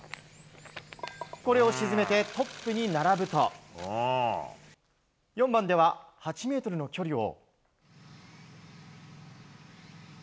これを沈めてトップに並ぶと４番では８ｍの距離を。